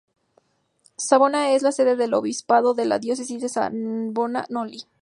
Savona es la sede del obispado de la diócesis de Savona-Noli.